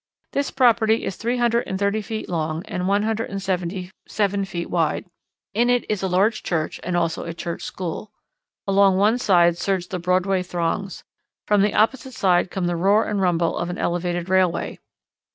This property is three hundred and thirty three feet long and one hundred and seventy seven feet wide. In it is a large church and also a church school. Along one side surge the Broadway throngs. From the opposite side come the roar and rumble of an elevated railway.